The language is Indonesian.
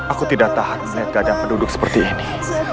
aku tidak tahan melihat keadaan penduduk seperti ini